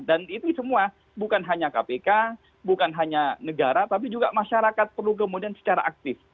dan itu semua bukan hanya kpk bukan hanya negara tapi juga masyarakat perlu kemudian secara aktif